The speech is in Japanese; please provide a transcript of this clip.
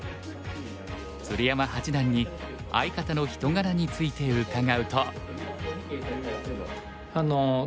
鶴山八段に相方の人柄について伺うと。